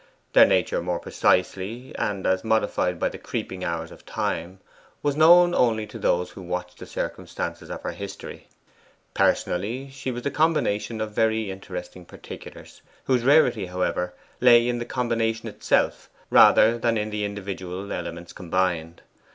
Their nature more precisely, and as modified by the creeping hours of time, was known only to those who watched the circumstances of her history. Personally, she was the combination of very interesting particulars, whose rarity, however, lay in the combination itself rather than in the individual elements combined.